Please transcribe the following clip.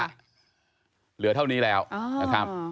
เหลือเท่านี้แล้วนะครับ